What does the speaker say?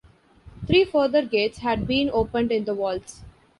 Three further gates had been opened in the walls.